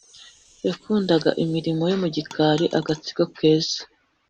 yakundaga imirimo yo mu gikari, agatsiko keza.